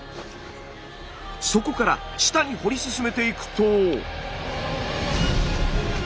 そこから下に掘り進めていくと。